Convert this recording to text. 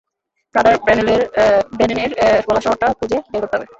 Father ব্র্যানেনের বলা শহরটা খুঁজে বের করতে হবে।